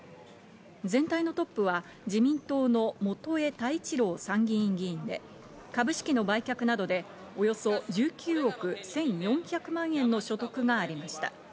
全体のトップは自民党の元栄太一郎参議院議員で、株式の売却などでおよそ１９億１４０４万円の所得がありました。